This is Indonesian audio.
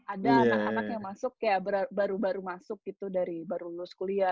ada anak anak yang masuk ya baru baru masuk gitu dari baru lulus kuliah